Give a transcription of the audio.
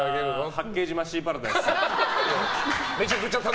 八景島シーパラダイス。